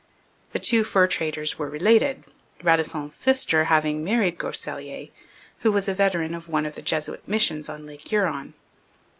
The two fur traders were related, Radisson's sister having married Groseilliers, who was a veteran of one of the Jesuit missions on Lake Huron.